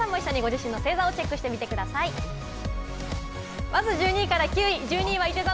皆さんも一緒にご自身の星座をチェックしてみてください。